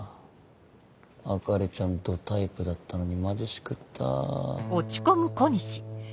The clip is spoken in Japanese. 朱里ちゃんドタイプだったのにマジしくった。